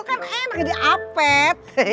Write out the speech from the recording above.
kan enak jadi apet